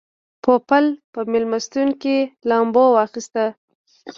پوپل په مېلمستون کې لامبو واخیسته.